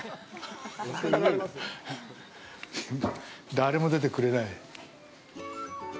誰も出てくれない。